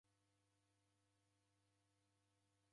Kusekwane na mndungi